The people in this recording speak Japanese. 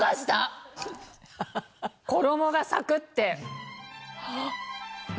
衣がサクって！